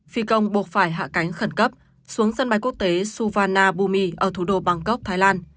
phi công buộc phải hạ cánh khẩn cấp xuống sân bay quốc tế suvarnabhumi ở thủ đô bangkok thái lan